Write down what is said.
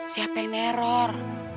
siapa yang neror